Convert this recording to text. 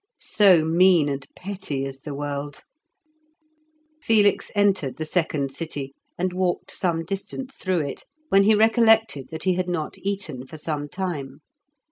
So mean and petty is the world! Felix entered the second city and walked some distance through it, when he recollected that he had not eaten for some time.